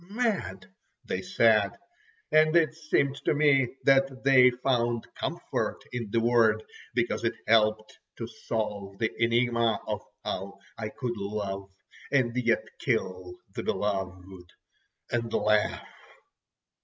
"Mad!" they said, and it seemed to me that they found comfort in the word, because it helped to solve the enigma of how I could love and yet kill the beloved—and laugh.